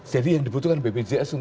jadi yang dibutuhkan bpjs